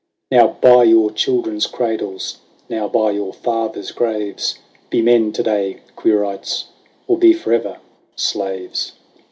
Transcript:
" Now, by your children's cradles, now, by your fathers' graves. Be men to day, Quirites, or be for ever slaves